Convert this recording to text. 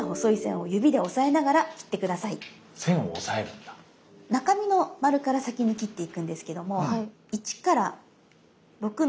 中身の丸から先に切っていくんですけども１から６の順に切っていきます。